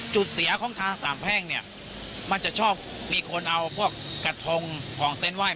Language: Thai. จุดเสียของทางสามแพ่งเนี่ยมันจะชอบมีคนเอาพวกกระทงของเส้นไหว้